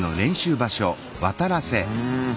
うん。